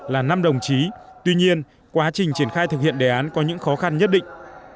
là năm đồng chí tuy nhiên quá trình triển khai thực hiện đề án có những khó khăn nhất định